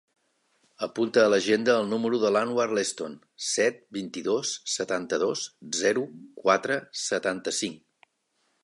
Apunta a l'agenda el número de l'Anwar Leston: set, vint-i-dos, setanta-dos, zero, quatre, setanta-cinc.